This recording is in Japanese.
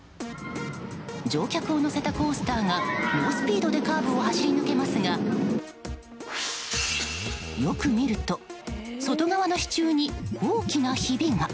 乗客を乗せたコースターが猛スピードでカーブを走り抜けますがよく見ると外側の支柱に大きなひびが。